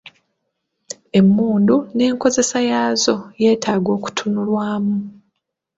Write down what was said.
Emmundu n’enkozesa yaazo yeetaaga okutunulwamu.